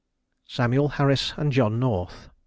SAMUEL HARRIS AND JOHN NORTH.